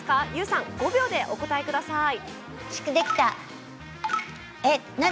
ＹＯＵさん５秒でお答えください。